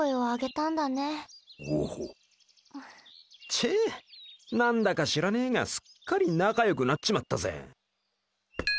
ちぇ何だか知らねえがすっかり仲良くなっちまったぜ。